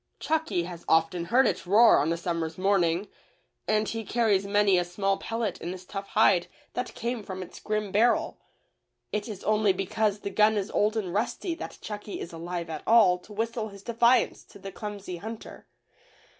Chucky has often heard it roar on a summer's morning, and he carries many a small pellet in his tough hide that came from its grim barrel. It is only because the gun is old and rusty that Chucky is alive at all to whistle his defiance to the clumsy hunter.